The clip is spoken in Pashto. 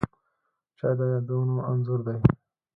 چای د یادونو انځور دی